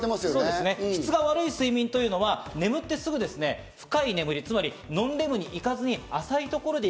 質が悪い睡眠というのは眠ってすぐ深い眠り、つまりノンレムに行かずに、浅いところで